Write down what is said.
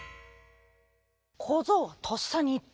こぞうはとっさにいった。